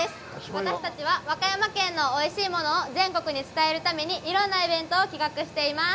私たちは、和歌山県のおいしいものを全国に伝えるためにいろんなイベントを企画しています。